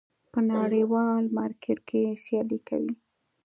په نړیوال مارکېټ کې سیالي کوي.